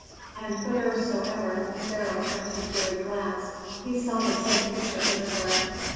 And whithersoever the pharaoh turned his wearied glance he saw the same picture everywhere.